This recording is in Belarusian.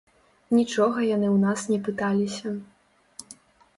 Нічога яны ў нас не пыталіся.